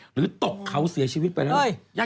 หรือตกเขาเสียชีวิตไปแล้ว